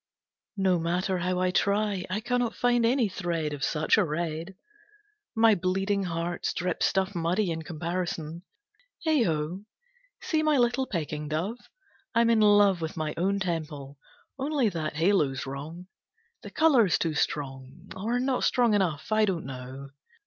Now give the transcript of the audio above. "No matter how I try, I cannot find any thread of such a red. My bleeding hearts drip stuff muddy in comparison. Heigh ho! See my little pecking dove? I'm in love with my own temple. Only that halo's wrong. The colour's too strong, or not strong enough. I don't know.